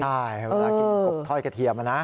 ใช่เวลากินกบถ้อยกระเทียมนะ